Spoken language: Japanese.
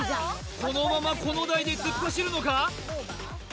このままこの台で突っ走るのか？